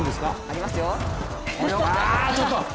ちょっと！